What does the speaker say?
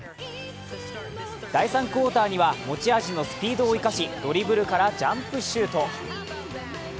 第３クオーターには持ち味のスピードを生かし、ドリブルからジャンプシュート。